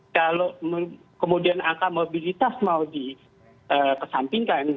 kalau kemudian angka mobilitas mau dikesampingkan